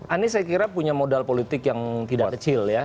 anies saya kira punya modal politik yang tidak kecil ya